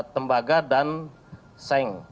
tembaga dan seng